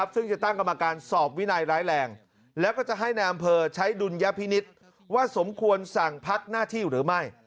ซึ่งจะตั้งกรรมการสอบวินัยร้ายแรงแล้วก็จะให้นายอำเภอใช้ดุลยพินิษฐ์ว่าสมควรสั่งพักหน้าที่หรือไม่